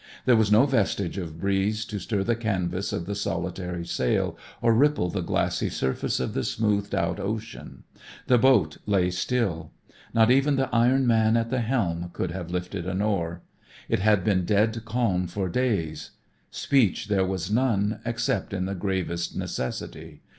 There was no vestige of breeze to stir the canvas of the solitary sail or ripple the glassy surface of the smoothed out ocean. The boat lay still. Not even the iron man at the helm could have lifted an oar. It had been dead calm for days. Speech there was none except in the gravest necessity.